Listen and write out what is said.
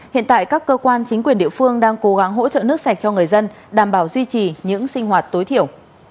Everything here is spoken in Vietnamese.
hiện tại các cơ quan chính quyền địa phương đang cố gắng hỗ trợ nước sạch cho người dân đảm bảo duy trì những sinh hoạt tối thiểu